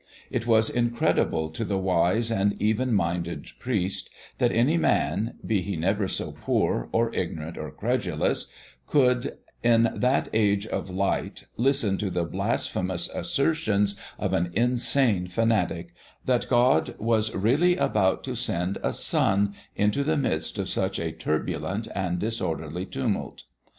It was incredible to the wise and even minded priest that any man be he never so poor, or ignorant, or credulous could, in that age of light, listen to the blasphemous assertions of an insane fanatic, that God was really about to send a Son into the midst of such a turbulent and disorderly tumult.